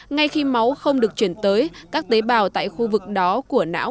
ngay khi máu không được chuyển tới các tế bào tại khu vực đó của não